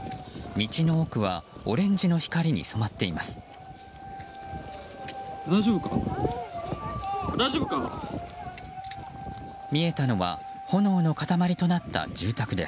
道の奥はオレンジの光に染まっています。